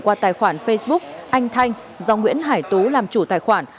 qua tài khoản facebook anh thanh do nguyễn hải tú làm chủ tài khoản